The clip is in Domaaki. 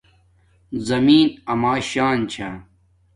زمین اما شان چھا